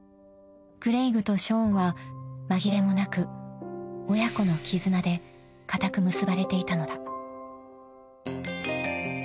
［クレイグとショーンは紛れもなく親子の絆で固く結ばれていたのだ］